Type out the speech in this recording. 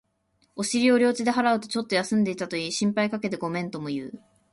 お尻を両手で払うと、ちょっと休んでいたと言い、心配かけてごめんとも言う